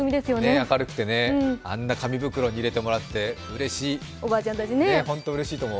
明るくてね、あんな紙袋に入れてもらってホントうれしいと思う。